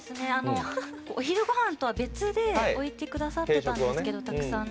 お昼ごはんとは別で置いてくださってたんですけどたくさん。